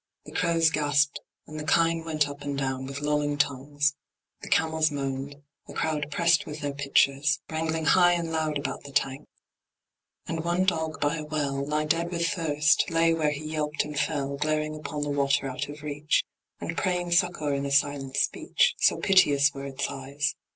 The crows gasped, and the kine went up and down With lolling tongues; the camels moaned; a crowd Pressed with their pitchers, wrangling high and loud About the tank; and one dog by a well, Nigh dead with thirst, lay where he yelped and fell, Glaring upon the water out of reach, And praying succour in a silent speech, So piteous were its eyes.